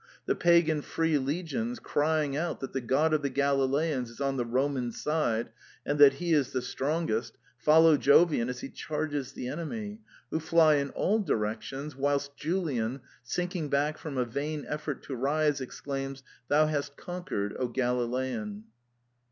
The pagan free legions, crying out that the god of the Galileans is on the Roman side, and that he is the strongest, follow Jovian as he charges the enemy, who fly in all directions whilst Julian, sinking back from a vain effort to rise, exclaims, " Thou hast con quered, O Galilean."